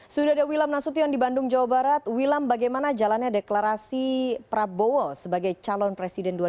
sudah ada wilam nasution di bandung jawa barat wilam bagaimana jalannya deklarasi prabowo sebagai calon presiden dua ribu sembilan belas